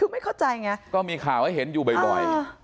คือไม่เข้าใจไงก็มีข่าวให้เห็นอยู่บ่อย